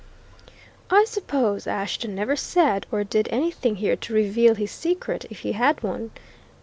"I suppose Ashton never said or did anything here to reveal his secret, if he had one?"